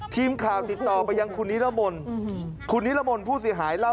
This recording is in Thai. ทีมข่าวติดต่อไปยังคุณนิรบนคุณนิรบนพูดสิหายเล่า